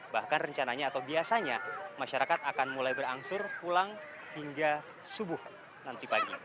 bahkan rencananya atau biasanya masyarakat akan mulai berangsur pulang hingga subuh nanti pagi